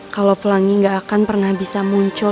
kalau pelangi gak akan pernah bisa muncul